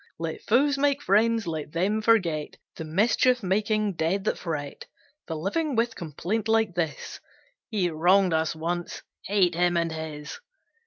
Let foes make friends: let them forget The mischief making dead that fret The living with complaint like this "He wronged us once, hate him and his."